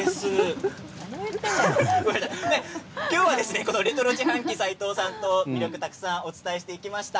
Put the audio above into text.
今日はレトロ自販機斎藤さんと魅力をたくさんお伝えしてきました。